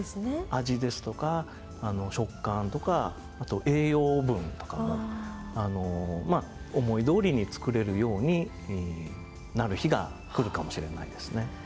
味ですとか食感とかあと栄養分とかもまあ思い通りに作れるようになる日が来るかもしれないですね。